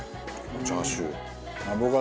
チャーシュー。